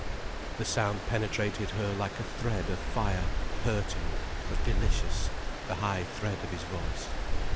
The sound penetrated her like a thread of fire, hurting, but delicious, the high thread of his voice.